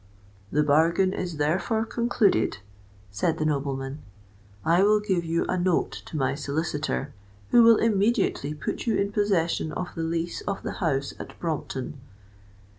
"The bargain is therefore concluded," said the nobleman. "I will give you a note to my solicitor, who will immediately put you in possession of the lease of the house at Brompton."